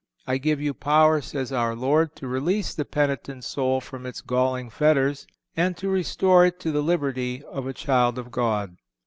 I give you power, says our Lord, to release the penitent soul from its galling fetters, and to restore it to the liberty of a child of God.